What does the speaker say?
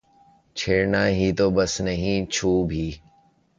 چھیڑنا ہی تو بس نہیں چھو بھی